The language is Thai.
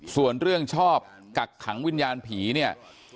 ส่วนเรื่องชอบกักขังวิญญาณผีเนี่ย